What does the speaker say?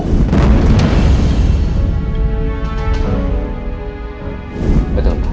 saya ingin mencoba untuk memastikan